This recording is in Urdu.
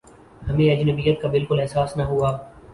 ہمیں اجنبیت کا بالکل احساس نہ ہوا